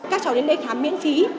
các cháu đến đây khám miễn phí